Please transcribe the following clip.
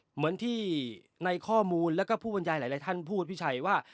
เหมือนที่ในข้อมูลแล้วก็ผู้บรรยายหลายท่านพูดพี่ชัยว่า